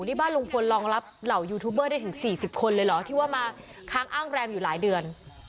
นี่บ้านลุงพลรองรับเหล่ายูทูบเบอร์ได้ถึง๔๐คนเลยเหรอที่ว่ามาค้างอ้างแรมอยู่หลายเดือน